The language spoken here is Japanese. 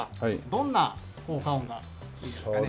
どんな効果音がいいですかね？